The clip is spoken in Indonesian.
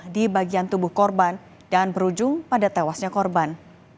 di bagian tubuh korban dan berujung pada tewasnya korban